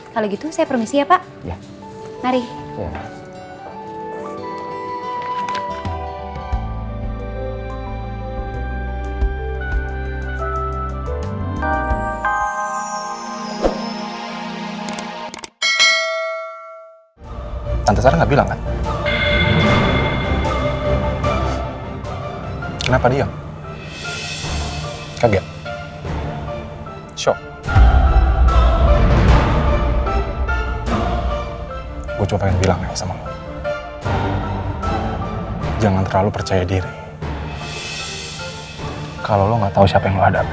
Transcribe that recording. kalau lo gak tau siapa yang lo hadapi